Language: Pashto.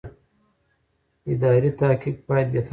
اداري تحقیق باید بېطرفه وي.